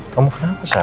kamu kenapa sal